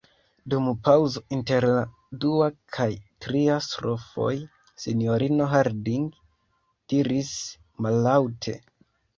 Dum paŭzo inter la dua kaj tria strofoj, sinjorino Harding diris mallaŭte: